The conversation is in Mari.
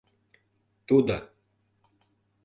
Тудо.